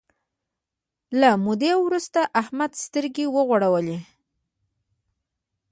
له مودې وروسته احمد سترګې وغړولې.